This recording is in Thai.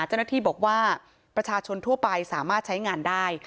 เจ้าหน้าที่บอกว่าประชาชนทั่วไปสามารถใช้งานได้